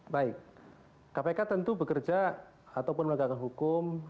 baik kpk tentu bekerja ataupun menegakkan hukum